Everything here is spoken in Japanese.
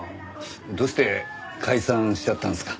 どうして解散しちゃったんですか？